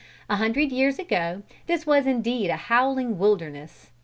A hundred years ago this was indeed a howling wilderness.